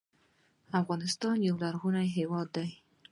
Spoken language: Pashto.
افغانستان یو غرنی هېواد دې .